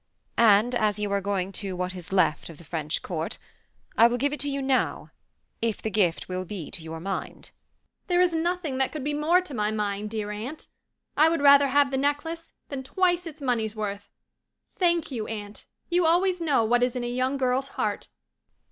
And as you are going to what is left of the French Court, I will give it to you now, if the gift will be to your mind." "There is nothing that could be more to my mind, dear aunt. I would rather have the necklace, than twice its money's worth. Thank you, aunt. You always know what is in a young girl's heart."